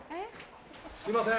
すいません。